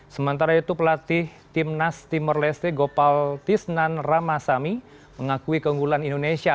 sementara itu pelatih tim nas timor leste gopal tisnan ramasami mengakui keunggulan indonesia